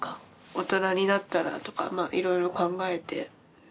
大人になったらとかまあ色々考えて。